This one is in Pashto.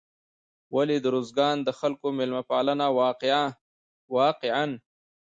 ولې د روزګان د خلکو میلمه پالنه واقعا